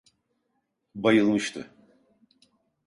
Bayılmıştı…